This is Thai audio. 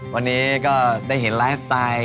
วันนี้ก็ได้เห็นไลฟ์สไตล์